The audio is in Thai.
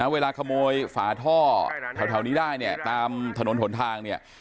เวลาขโมยฝาท่อแถวนี้ได้เนี่ยตามถนนหนทางเนี่ย